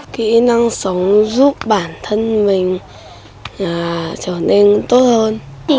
kỹ năng sống giúp bản thân mình trở nên tốt hơn